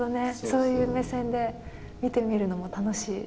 そういう目線で見てみるのも楽しい。